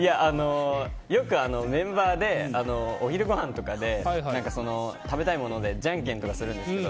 よくメンバーでお昼ごはんとかで食べたいものでじゃんけんとかするんですけど。